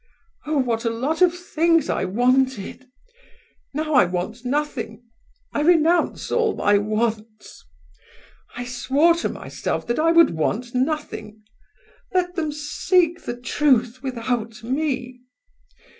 Oh! what a lot of things I wanted! Now I want nothing; I renounce all my wants; I swore to myself that I would want nothing; let them seek the truth without me!